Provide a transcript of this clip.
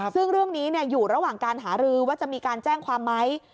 ซึ่งเรื่องนี้อยู่ระหว่างการหารือว่าจะมีการแจ้งความไหม